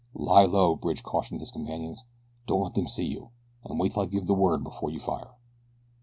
"Lie low!" Bridge cautioned his companions. "Don't let them see you, and wait till I give the word before you fire."